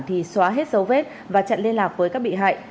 thì xóa hết dấu vết và chặn liên lạc với các bị hại